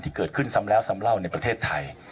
ที่เกิดขึ้นซ้ำแล้วซ้ำเล่าในประเทศไทย